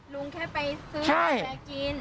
ลุงแค่ไปซื้อกาแฟกิน